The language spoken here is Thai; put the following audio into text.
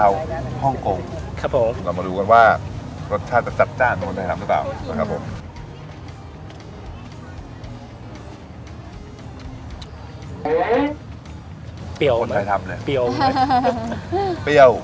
ลองมาดูกันว่ารสชาติจะจัดจ้านของคนไทยทำหรือยังเปล่า